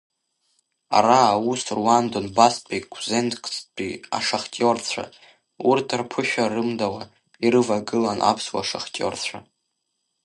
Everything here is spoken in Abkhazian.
Ара аус руан Донбасстәи кәзнецктәи ашахтиорцәа, Урҭ, рԥышәа рымдауа, ирывагылан аԥсуа шахтиорцәа.